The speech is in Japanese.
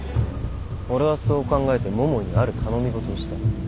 俺はそう考えて桃井にある頼み事をした。